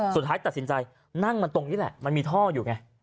สุดท้ายตัดสินใจนั่งมันตรงนี้แหละมันมีท่ออยู่ไง